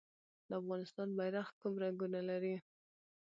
د افغانستان بیرغ کوم رنګونه لري؟